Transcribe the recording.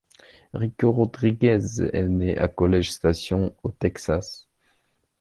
Rico Rodriguez est né à College Station au Texas.